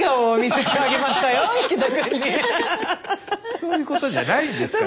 そういうことじゃないんですから。